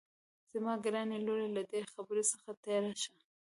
زما ګرانې لورې له دې خبرې څخه تېره شه